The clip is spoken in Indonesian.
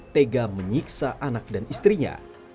tega menyiksa anak dan istrinya